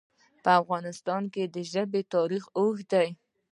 په افغانستان کې د ژبې تاریخ اوږد دی.